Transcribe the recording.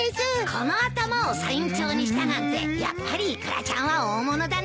この頭をサイン帳にしたなんてやっぱりイクラちゃんは大物だね。